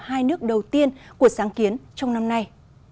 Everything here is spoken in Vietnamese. hai nước đầu tiên của sáng kiến trong năm nay